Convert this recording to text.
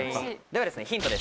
ではですね。